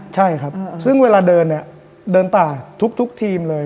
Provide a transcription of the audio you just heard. ใช่ครับซึ่งเวลาเดินเนี่ยเดินป่าทุกทีมเลย